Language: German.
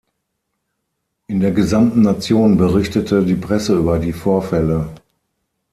In der gesamten Nation berichtete die Presse über die Vorfälle.